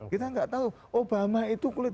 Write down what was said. kita nggak tahu obama itu kulit